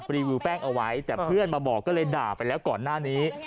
รีวิวแป้งเอาไว้แต่เพื่อนมาบอกก็เลยด่าไปแล้วก่อนหน้านี้